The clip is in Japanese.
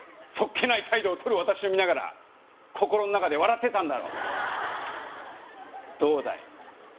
素っ気ない態度をとる私を見ながら心の中で笑ってたんだろどうだい？